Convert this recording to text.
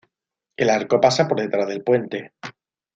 El arco pasa por detrás del puente.